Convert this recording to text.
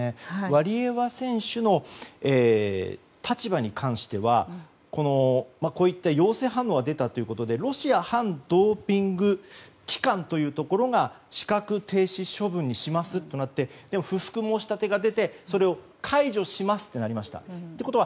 ワリエワ選手の立場に関してはこういった陽性反応が出たということでロシア反ドーピング機関というところが資格停止処分にしますとなってでも、不服申し立てが出てそれを解除しますとなりました。